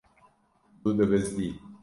Tu dibizdî.